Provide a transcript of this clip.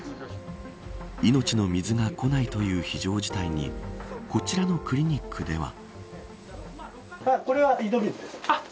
命の水がこないという非常事態にこちらのクリニックでは。